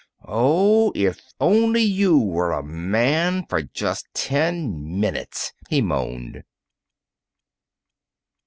"Oh, if only you were a man for just ten minutes!" he moaned.